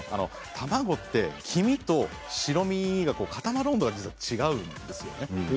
卵って黄身と白身が固まる温度が違うんですね。